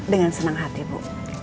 dengan senang hati bu